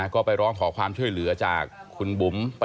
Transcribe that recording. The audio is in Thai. ก็ไปร้องขอความช่วยเหลือจากคุณบุ๋ม